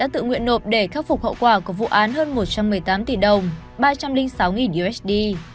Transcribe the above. tự nguyện nộp để khắc phục hậu quả của vụ án hơn một trăm một mươi tám tỷ đồng ba trăm linh sáu usd